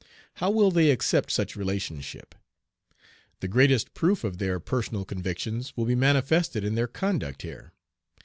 How will they accept such relationship? The greatest proof of their personal convictions will be manifested in their conduct here.